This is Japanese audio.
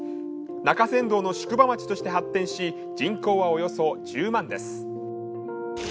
中山道の宿場町として発展し人口はおよそ１０万です。